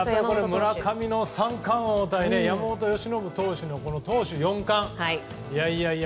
村上の三冠王と山本由伸投手の投手四冠。